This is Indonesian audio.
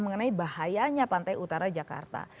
mengenai bahayanya pantai utara jakarta